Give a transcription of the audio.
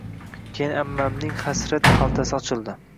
Keyin ammamning hasrat xaltasi ochildi